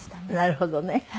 なるほどね。